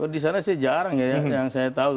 di sana sih jarang ya yang saya tahu